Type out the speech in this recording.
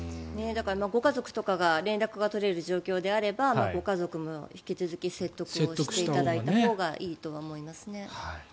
ご家族とかが連絡が取れる状況であればご家族も引き続き説得していただいたほうがいいと思いますね。